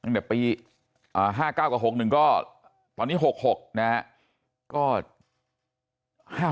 ตั้งแต่ปี๕๙กับ๖๑ก็ตอนนี้๖๖นะครับ